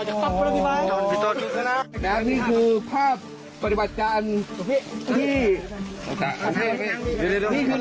ตอนนั้นเริ่มถอยลงมาว่าไม่มีความมั่นใจว่าจะจัดการทางแรก